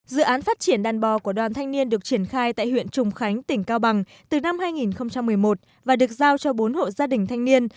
dự án phát triển đàn bò của đoàn thanh niên được triển khai tại huyện trùng khánh tỉnh cao bằng từ năm hai nghìn một mươi một và được giao cho bốn hộ gia đình thanh niên